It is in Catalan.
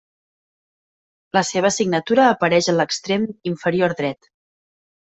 La seva signatura apareix a l'extrem inferior dret.